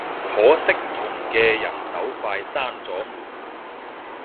可惜同嘅人手快閂咗門